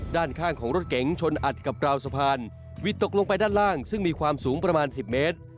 ด้านข้างของรถเก๋งชนอัดกับราวสะพานวิดตกลงไปด้านล่างซึ่งมีความสูงประมาณ๑๐เมตร